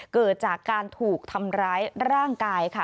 เกิดจากการถูกทำร้ายร่างกายค่ะ